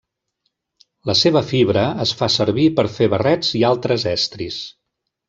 La seva fibra es fa servir per fer barrets i altres estris.